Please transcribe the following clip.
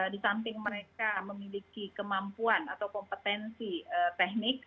di samping mereka memiliki kemampuan atau kompetensi teknik